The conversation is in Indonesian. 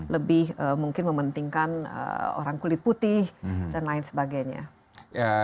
lebih mungkin mementingkan orang kulit putih dan lain sebagainya